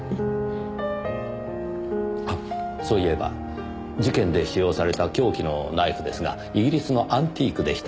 あっそういえば事件で使用された凶器のナイフですがイギリスのアンティークでした。